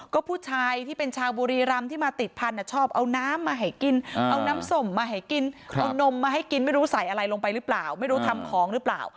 ก็ผู้ชายที่เป็นชาวบุรีรำที่มาติดพันธุ์ชอบเอาน้ำมาให้กินเอาน้ำส้มมาให้กินเอานมมาให้กินไม่รู้ใส่อะไรลงไปหรือเปล่าไม่รู้ทำของหรือเปล่า